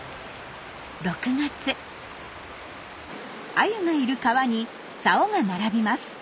アユがいる川に竿が並びます。